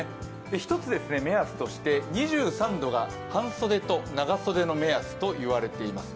一つ目安として２３度が半袖と長袖の目安と言われています。